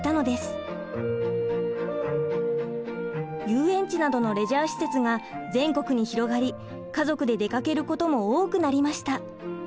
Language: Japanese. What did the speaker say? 遊園地などのレジャー施設が全国に広がり家族で出かけることも多くなりました。